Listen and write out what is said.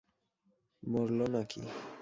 মরল না কি?